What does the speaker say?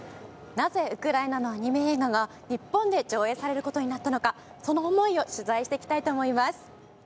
なぜウクライナのアニメ映画が日本で上映されることになったのかその思いを取材してきたいと思います。